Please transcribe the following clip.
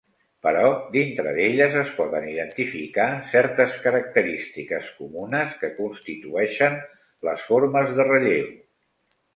Però dintre d'elles es poden identificar certes característiques comunes que constitueixen les formes de relleu.